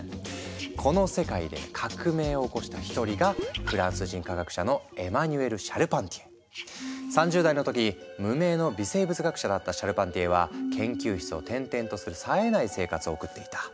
この世界で革命を起こした一人が３０代の時無名の微生物学者だったシャルパンティエは研究室を転々とするさえない生活を送っていた。